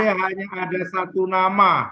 di radar pkb hanya ada satu nama